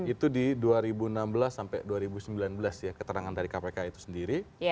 itu di dua ribu enam belas sampai dua ribu sembilan belas ya keterangan dari kpk itu sendiri